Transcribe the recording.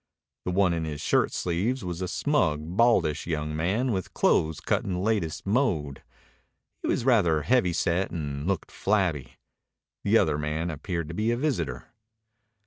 The one in his shirt sleeves was a smug, baldish young man with clothes cut in the latest mode. He was rather heavy set and looked flabby. The other man appeared to be a visitor.